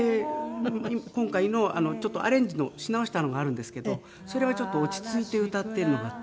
今回のちょっとアレンジのし直したのがあるんですけどそれはちょっと落ち着いて歌ってるのがあって。